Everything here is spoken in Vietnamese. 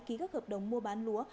ký các hợp đồng mua bán lúa